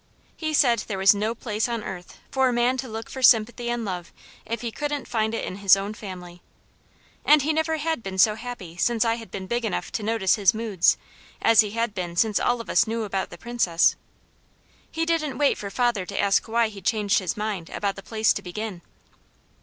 He said there was no place on earth for a man to look for sympathy and love if he couldn't find it in his own family; and he never had been so happy since I had been big enough to notice his moods as he had been since all of us knew about the Princess. He didn't wait for father to ask why he'd changed his mind about the place to begin.